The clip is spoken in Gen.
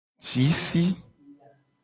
Ji si.